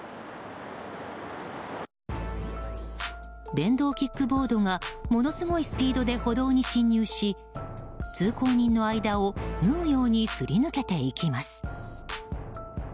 電動キックボードがものすごいスピードで歩道に進入し通行人の間を縫うようにすり抜けていきます。